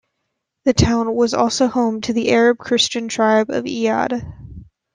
The town was also home to the Arab Christian tribe of Iyad.